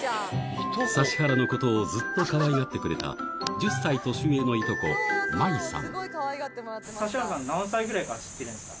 指原のことをずっとかわいがってくれた１０歳年上のいとこ麻衣さん